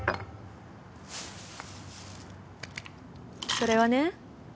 それはね